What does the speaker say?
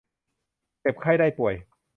เจ็บไข้ได้ป่วย